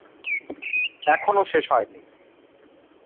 এখনো শেষ হয়নি।